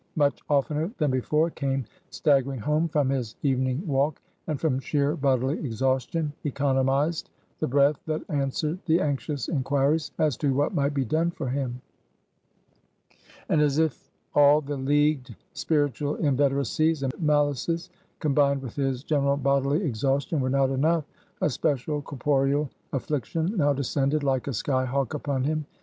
Much oftener than before, came staggering home from his evening walk, and from sheer bodily exhaustion economized the breath that answered the anxious inquiries as to what might be done for him. And as if all the leagued spiritual inveteracies and malices, combined with his general bodily exhaustion, were not enough, a special corporeal affliction now descended like a sky hawk upon him.